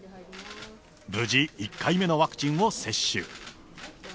無事、１回目のワクチンを接種。